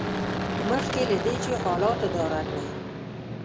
مخکې له دې چې حالات اداره کړئ.